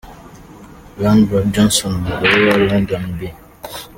Lady Bird Johnson, umugore wa Lyndon B.